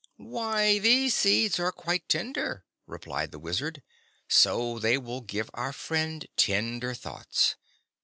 "Why, these seeds are quite tender," replied the Wizard, "so they will give our friend tender thoughts.